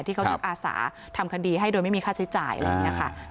ที่เขานับอาศาทำคดีให้โดยไม่มีค่าใช้จ่ายแล้วเนี่ยค่ะ